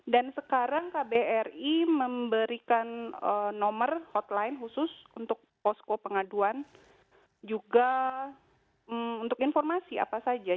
dan sekarang kbri memberikan nomor hotline khusus untuk posko pengaduan juga untuk informasi apa saja